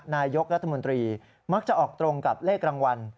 นายกรัฐมนตรีมักจะออกตรงกับเลขรางวัล